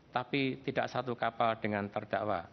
tapi tidak satu kapal dengan terdakwa